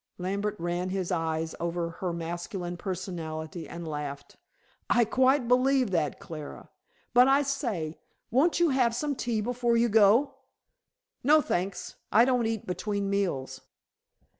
Lambert ran his eyes over her masculine personality and laughed. "I quite believe that, Clara. But, I say, won't you have some tea before you go?" "No, thanks. I don't eat between meals."